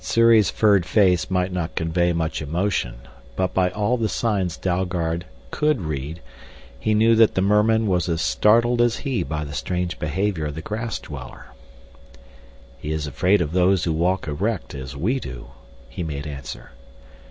Sssuri's furred face might not convey much emotion, but by all the signs Dalgard could read he knew that the merman was as startled as he by the strange behavior of the grass dweller. "He is afraid of those who walk erect as we do," he made answer.